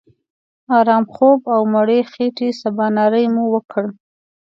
آرام خوب او مړې خېټې سباناري مو وکړه.